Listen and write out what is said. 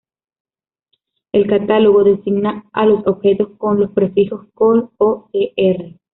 El catálogo designa a los objetos con los prefijos "Col" o "Cr".